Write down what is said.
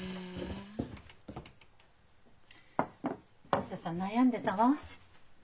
あづささん悩んでたわ。